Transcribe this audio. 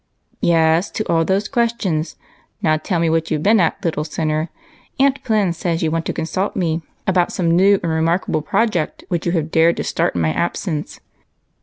"Yes, to all those questions. Now tell me what you 've been at, little sinner ? Aunty Plen says you want to consult me about some new and remarkable project which you have dared to start in my absence."